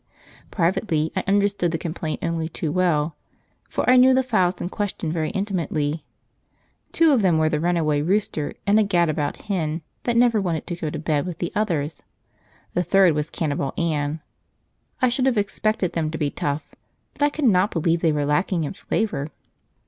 Privately, I understood the complaint only too well, for I knew the fowls in question very intimately. Two of them were the runaway rooster and the gadabout hen that never wanted to go to bed with the others. The third was Cannibal Ann. I should have expected them to be tough, but I cannot believe they were lacking in flavour.